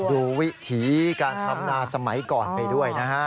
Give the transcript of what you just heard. วิถีการทำนาสมัยก่อนไปด้วยนะฮะ